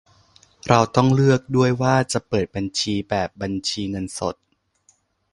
เราต้องเลือกด้วยว่าจะเปิดบัญชีแบบบัญชีเงินสด